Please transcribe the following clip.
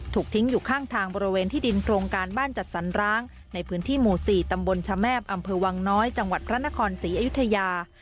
ถูกทิ้งอยู่ข้างทางบริเวณที่ดินโครงการบ้านจัดสรร้างในพื้นที่หมู่๔ตำบลชะแมบอำเภอวังน้อยจังหวัดพระนครศรีอยุธยา